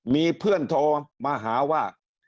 มีเพื่อนโทรมาหาว่า